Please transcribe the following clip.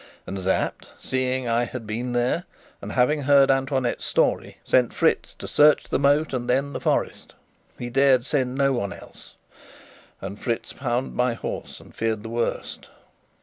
And Sapt, seeing I had been there, and having heard Antoinette's story, sent Fritz to search the moat and then the forest. He dared send no one else. And Fritz found my horse, and feared the worst.